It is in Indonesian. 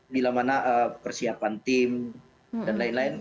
bila mana persiapan tim dan lain lain